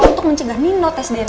untuk mencegah nino tes dna